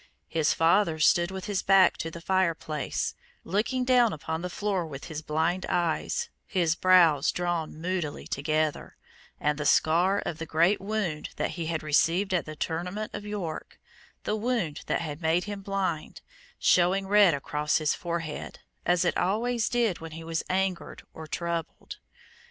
His father stood with his back to the fireplace, looking down upon the floor with his blind eyes, his brows drawn moodily together, and the scar of the great wound that he had received at the tournament at York the wound that had made him blind showing red across his forehead, as it always did when he was angered or troubled.